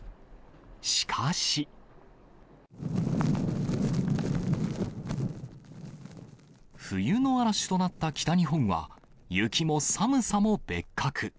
しかし。冬の嵐となった北日本は、雪も寒さも別格。